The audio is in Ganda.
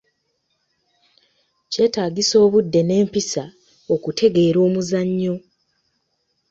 Kyetaagisa obudde n'empisa okutegeera omuzannyo.